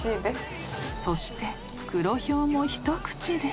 ［そして黒豹も一口で］